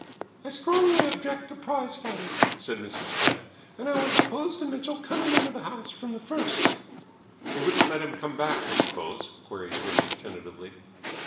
"I strongly object to prize fighters," said Mrs. Pett, "and I was opposed to Mitchell coming into the house from the first." "You wouldn't let him come back, I suppose?" queried Jimmy tentatively.